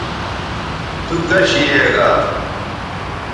تو کش یے گا